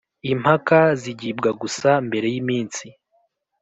Impaka zigibwa gusa mbere y’iminsi